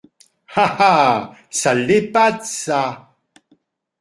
Ah ! ah ! ça l’épate, ça !…